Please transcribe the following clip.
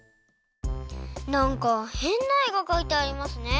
なんかへんなえがかいてありますね。